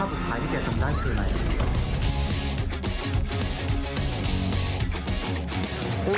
ถ้าสุดท้ายที่จะจงได้คืออะไร